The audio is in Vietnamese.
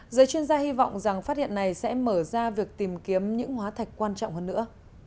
giới chuyên gia hy vọng rằng phát hiện này sẽ mở ra việc tìm kiếm những hóa thạch quan trọng hơn nữa